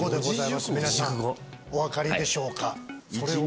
皆さんお分かりでしょうか？